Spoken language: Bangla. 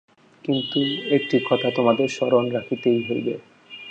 কিন্তু একটি কথা তোমাদের স্মরণ রাখিতেই হইবে।